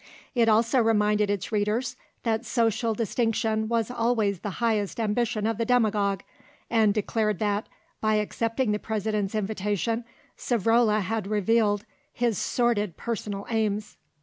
It also reminded its readers that social distinction was always the highest ambition of the Demagogue, and declared that, by accepting the President's invitation, Savrola had revealed "his sordid personal aims."